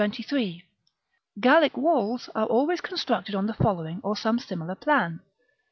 Gallic walls are always constructed on the following or some similar plan.